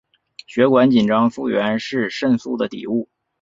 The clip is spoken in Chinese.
血管紧张素原是肾素的底物。